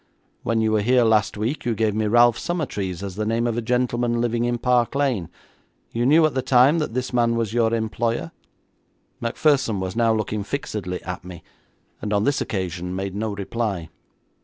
'When you were here last week you gave me Ralph Summertrees as the name of a gentleman living in Park Lane. You knew at the time that this man was your employer?' Macpherson was now looking fixedly at me, and on this occasion made no reply.